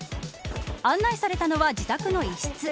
案内されたのは自宅の一室。